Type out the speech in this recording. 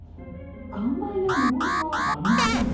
看板やのぼりはありません。